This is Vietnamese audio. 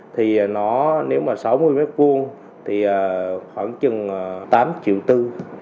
thì nó nếu mà sáu mươi m hai thì khoảng chừng tám triệu tư